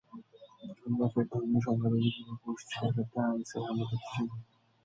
আমরা ফের ধর্মীয় সংখ্যালঘু কিংবা পশ্চিমা স্বার্থে আইএসের হামলা দেখতে চাই না।